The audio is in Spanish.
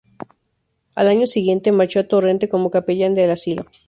Al año siguiente marchó a Torrente como capellán del asilo.